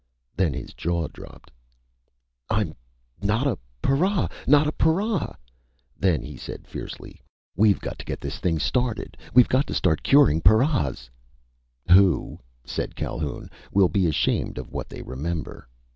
Then his jaw dropped. "I'm not a para! Not ... a para " Then he said fiercely. "We've got to get this thing started! We've got to start curing paras " "Who," said Calhoun, "will be ashamed of what they remember.